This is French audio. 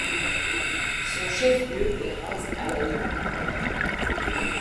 Son chef-lieu est Ras al-Aïn.